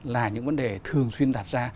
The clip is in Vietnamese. là những vấn đề thường xuyên đặt ra